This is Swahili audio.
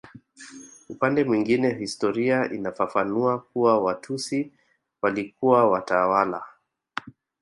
Upande mwingine historia inafafanua kuwa Watusi walikuwa watawala